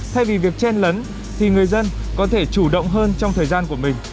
thay vì việc chen lấn thì người dân có thể chủ động hơn trong thời gian của mình